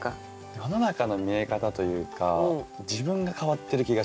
世の中の見え方というか自分が変わってる気がします。